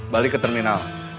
balik ke terminal